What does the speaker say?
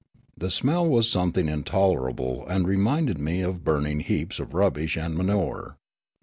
The smell was some thing intolerable, and reminded me of burning heaps of rubbish and manure.